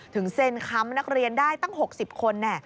เซ็นค้ำนักเรียนได้ตั้ง๖๐คน